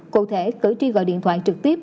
cụ thể cử tri gọi điện thoại trực tiếp